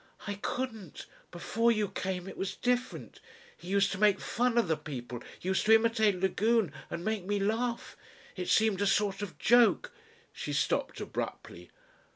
"I couldn't. Before you came it was different. He used to make fun of the people used to imitate Lagune and make me laugh. It seemed a sort of joke." She stopped abruptly.